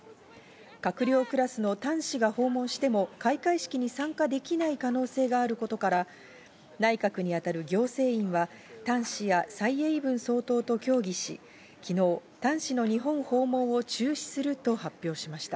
閣僚クラスのタン氏が訪問しても開会式に参加できない可能性があることから、内閣に当たる行政院はタン氏やサイ・エイブン総統と協議し、昨日、タン氏の日本訪問を中止すると発表しました。